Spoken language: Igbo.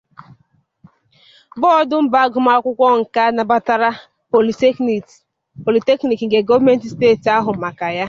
Bọọdụ Mba Agụmakwụkwọ Nka nabatara Polytechnic, nke gọọmentị steeti na-ahụ maka ya.